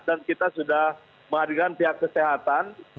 dan kita sudah menghadirkan pihak kesehatan